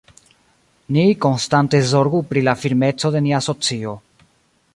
Ni konstante zorgu pri la firmeco de nia asocio.